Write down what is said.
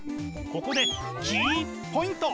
ここでキーポイント！